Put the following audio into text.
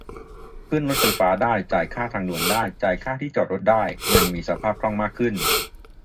ขึ้นรถไฟฟ้าได้ จ่ายค่าทางด่วนได้ จายค่าที่จอดรถได้ - เงินมีสภาพคล่องมากขึ้น